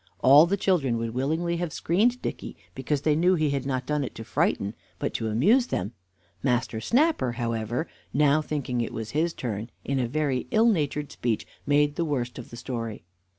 All the children would willingly have screened Dicky, because they knew he had not done it to frighten, but to amuse them. Master Snapper, however, now thinking it was his turn, in a very ill natured speech made the worst of the story.